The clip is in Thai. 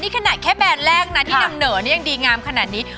นี่ขนาดแค่แบรนด์แรกนะที่นำเหนอนี่ยังดีงามขนาดนี้